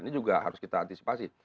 ini juga harus kita antisipasi